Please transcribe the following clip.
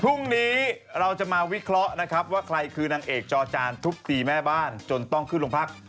พรุ่งนี้เราจะมาวิเคราะห์นะครับว่าใครคือนางเอกจอจานทุบตีแม่บ้านจนต้องขึ้นลงพัก